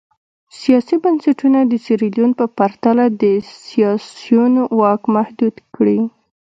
سیاسي بنسټونه د سیریلیون په پرتله د سیاسیونو واک محدود کړي.